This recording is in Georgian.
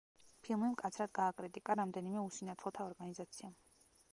ფილმი მკაცრად გააკრიტიკა რამდენიმე უსინათლოთა ორგანიზაციამ.